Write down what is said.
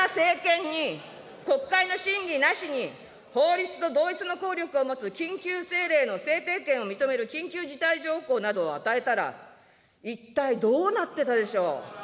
こんな無能な政権に国会の審議なしに法律と同一の効力を持つ緊急政令の制定権を認める緊急事態条項などを与えたら、一体どうなってたでしょう。